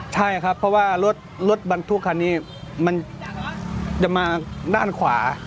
ใช่ครับเพราะว่ารถบรรทุกคันนี้มันจะมาด้านขวา